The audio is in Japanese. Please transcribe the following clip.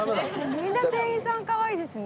みんな店員さんかわいいですね。